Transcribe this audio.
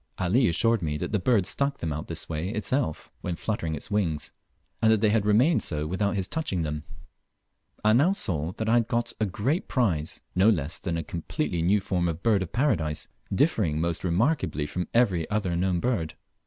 Ali assured me that the bird stuck them out this way itself, when fluttering its wings, and that they had remained so without his touching them. I now saw that I had got a great prize, no less than a completely new form of the Bird of Paradise, differing most remarkably from every other known bird.